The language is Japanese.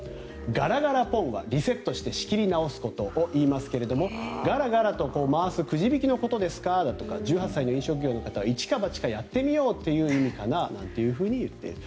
ガラガラポンはリセットして仕切り直すことを言いますがガラガラと回すくじ引きのことですかだとか一か八かやってみようという意味かな？なんて言っている。